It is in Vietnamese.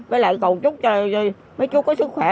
với lại cầu chúc cho mấy chú có sức khỏe